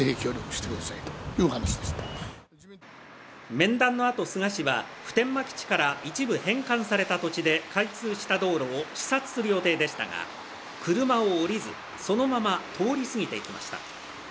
面談のあと、菅氏は、普天間基地から一部返還された土地で開通した道路を視察する予定でしたが、車を降りず、そのまま通りすぎていきました。